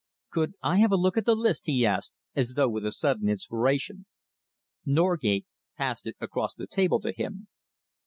"Could I have a look at the list?" he asked, as though with a sudden inspiration. Norgate passed it across the table to him.